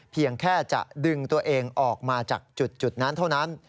เพียงแค่จะดึงตัวเองออกมาจากจุดนั้นเท่านั้น